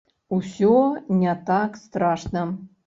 Усё не так страшна.